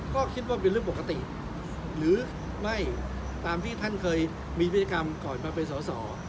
ก็คิดว่าเป็นเรื่องปกติหรือไม่ตามที่ท่านเคยมีพฤติกรรมก่อนมาเป็นสอสอ